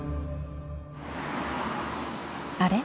あれ？